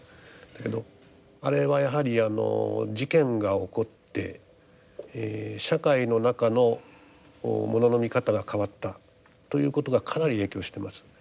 だけどあれはやはりあの事件が起こって社会の中の物の見方が変わったということがかなり影響してます。